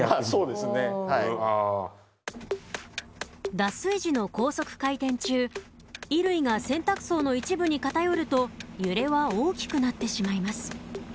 脱水時の高速回転中衣類が洗濯槽の一部に偏ると揺れは大きくなってしまいます。